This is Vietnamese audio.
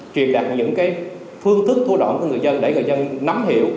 chuyển đạt những cái phương thức thua đoạn của người dân để người dân nắm hiểu